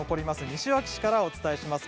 西脇市からお伝えします。